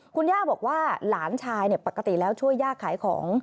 คุณย่าบอกว่าหลานชายปกติแล้วช่วยย่าขายของ